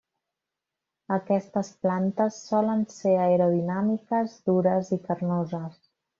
Aquestes plantes solen ser aerodinàmiques, dures i carnoses.